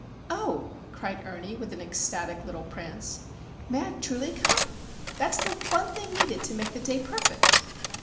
"Oh!" cried Ernie, with an ecstatic little prance. "May I truly come? That's the one thing needed to make the day perfect!"